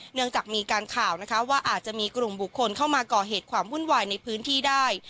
เนื่องจากมีการข่าวนะคะว่าอาจจะมีกลุ่มบุคคลเข้ามาก่อเหตุความวุ่นวายในพื้นที่ได้